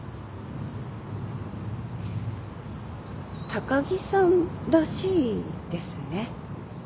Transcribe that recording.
高木さんらしいですね。